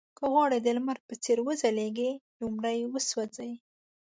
که غواړئ د لمر په څېر وځلېږئ لومړی وسوځئ.